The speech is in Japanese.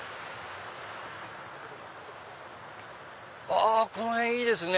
あこの辺いいですね！